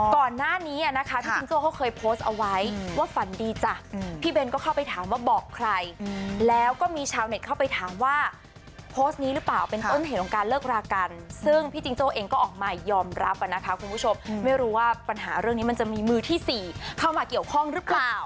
ก่อนหน้านี้นะคะพี่จิงโจ้เขาเคยโพสต์เอาไว้ว่าฝันดีจ้ะพี่เบนก็เข้าไปถามว่าบอกใครแล้วก็มีชาวเน็ตเข้าไปถามว่าโพสต์นี้หรือเปล่าเป็นต้นเหตุของการเลิกรากันซึ่งพี่จิงโจ้เองก็ออกมายอมรับนะคะคุณผู้ชมไม่รู้ว่าปัญหาเรื่องนี้มันจะมีมือที่๔เข้ามาเกี่ยวข้องหรือเปล่า